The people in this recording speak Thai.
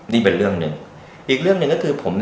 นี่เป็นเรื่องหนึ่ง